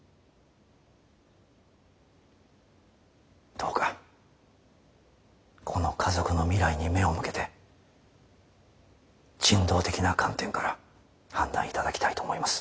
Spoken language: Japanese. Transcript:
どうかこの家族の未来に目を向けて人道的な観点から判断いただきたいと思います。